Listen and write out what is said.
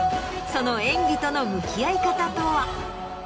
その演技との向き合い方とは？